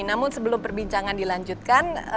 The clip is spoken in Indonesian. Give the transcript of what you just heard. namun sebelum perbincangan dilanjutkan